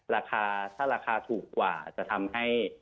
ราคาถ้าราคาถูกกว่าจะทำให้